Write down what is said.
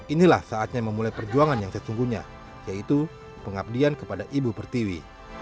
inilah saatnya memulai perjuangan yang sesungguhnya yaitu pengabdian kepada ibu pertiwi